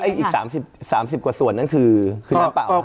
แล้วอีก๓๐กว่าส่วนนั้นคือคือแนวเปล่า